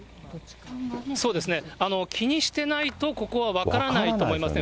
そうですね、気にしてないと、ここは分からないと思いますね。